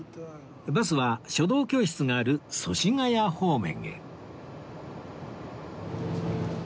バスは書道教室がある祖師谷方面へ